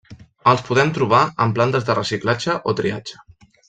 Els podem trobar en plantes de reciclatge o triatge.